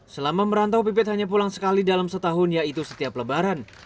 selama merantau pipit hanya pulang sekali dalam setahun yaitu setiap lebaran